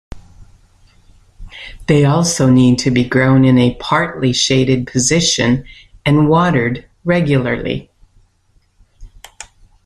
They also need to be grown in a partly shaded position and watered regularly.